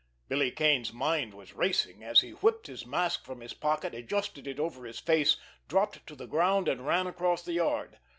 Billy Kane's mind was racing, as he whipped his mask from his pocket, adjusted it over his face, dropped to the ground, and ran across the yard.